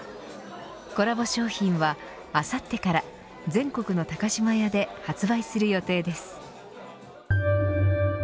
コラボ商品は、あさってから全国の高島屋で発売する予定です。